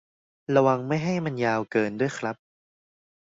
ระวังไม่ให้มันยาวเกินด้วยครับ